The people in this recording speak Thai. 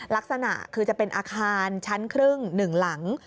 ลักษณะคือจะเป็นอาคารชั้นครึ่ง๑หลัง